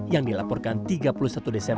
yang dilaporkan tiga persen